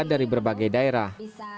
dari berbagai daerah